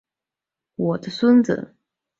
我的孙子总在你广播时打开收音机调整音节。